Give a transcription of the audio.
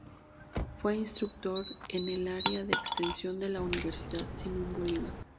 Fue instructor en el área de extensión de la Universidad Simón Bolívar.